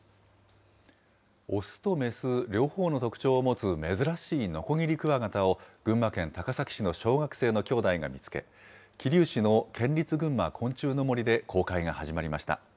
雄と雌、両方の特徴を持つ珍しいノコギリクワガタを、群馬県高崎市の小学生の兄弟が見つけ、桐生市の県立ぐんま昆虫の森で公開が始まりました。